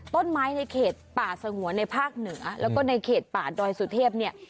ต้นไม้ในเขตป่าสงวนในภาคเหนือแล้วก็ในเขตป่าดอยสุเทพเนี่ย